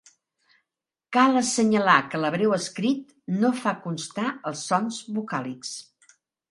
Cal assenyalar que l'hebreu escrit no fa constar els sons vocàlics.